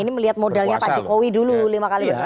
ini melihat modalnya pak jokowi dulu lima kali